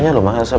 ini ini angkat dia